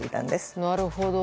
なるほど。